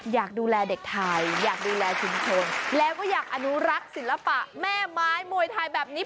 อยากดูแลเด็กไทยอยากดูแลชุมชนแล้วก็อยากอนุรักษ์ศิลปะแม่ไม้มวยไทยแบบนี้